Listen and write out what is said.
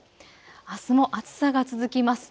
あすも暑さが続きます。